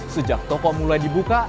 sejak toko mulai dibuka